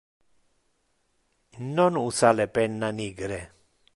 Non usa le penna nigre.